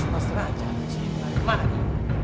mas raja kemana kau